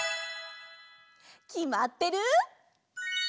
きまってる？